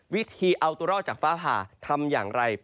วิธีเอาตัวรอดจากฟ้าผ่าทำอย่างไร